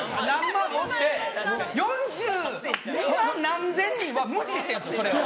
何千人は無視してるんですよそれを。